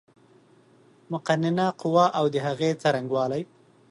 مقننه قوه اود هغې څرنګوالی